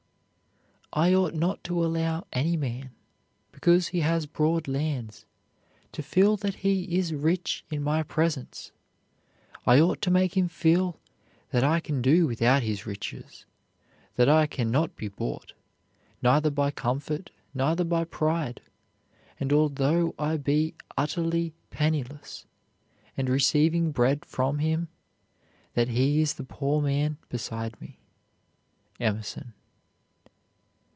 I ought not to allow any man, because he has broad lands, to feel that he is rich in my presence. I ought to make him feel that I can do without his riches, that I can not be bought, neither by comfort, neither by pride, and although I be utterly penniless, and receiving bread from him, that he is the poor man beside me. EMERSON.